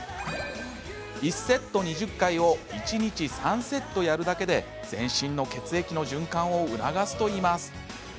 １セット２０回を１日３セットやるだけで全身の血液の循環を促すといいます。